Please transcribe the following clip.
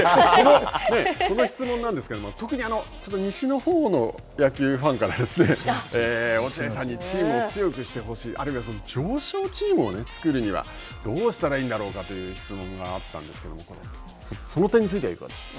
この質問なんですけれども特に西のほうの野球ファンから落合さんにチームを強くしてほしい、あるいは常勝チームを作るにはどうしたらいいんだろうかという質問があったんですけど、その点についてはいかがですか。